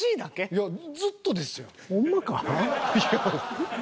いやずっとですよ。